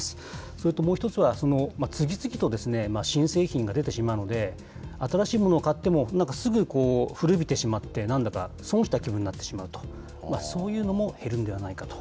それともう一つは、次々と新製品が出てしまうので、新しいものを買っても、すぐ古びてしまって、なんだか損した気分になってしまうと、そういうのも減るんではないかと。